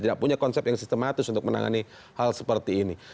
tidak punya konsep yang sistematis untuk menangani hal seperti ini